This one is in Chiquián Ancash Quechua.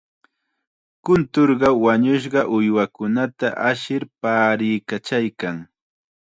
Kunturqa wañushqa uywakunata ashir paariykachaykan.